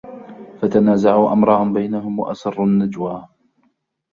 فَتَنَازَعُوا أَمْرَهُمْ بَيْنَهُمْ وَأَسَرُّوا النَّجْوَى